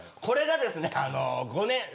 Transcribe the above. これがですね５年。